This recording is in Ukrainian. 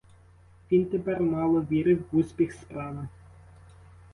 Він тепер мало вірив в успіх справи.